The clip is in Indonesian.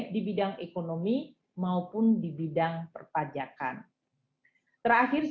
di sini akan dibahas berbagai proses